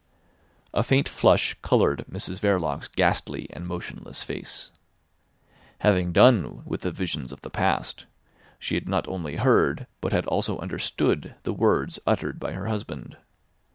A faint flush coloured Mrs Verloc's ghastly and motionless face. Having done with the visions of the past, she had not only heard, but had also understood the words uttered by her husband.